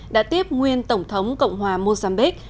đã tiếp nguyên tổng thống cộng hòa mozambique